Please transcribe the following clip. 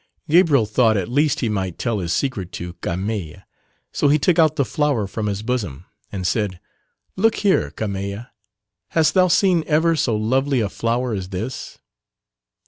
Gabriel thought at least he might tell his secret to Carmeille, so he took out the flower from his bosom and said, "Look here, Carmeille, hast thou seen ever so lovely a flower as this?"